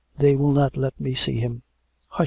They will not let me see him." " Hush